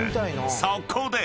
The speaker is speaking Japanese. そこで］